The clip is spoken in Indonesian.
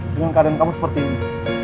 dengan keadaan kamu seperti ini